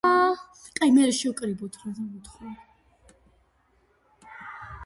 არის უკრაინის ყველაზე აღმოსავლეთით მდებარე ოლქის ცენტრი.